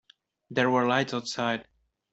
There were lights outside.